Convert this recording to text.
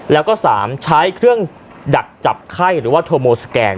แล้วก็๓ใช้เครื่องดักจับไข้หรือว่าโทโมสแกน